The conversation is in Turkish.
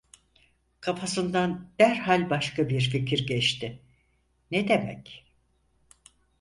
Kafasından derhal başka bir fikir geçti: "Ne demek?"